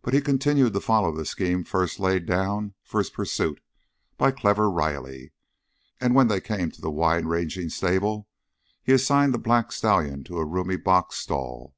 But he continued to follow the scheme first laid down for his pursuit by clever Riley, and when they came to the wide ranging stable he assigned the black stallion to a roomy box stall.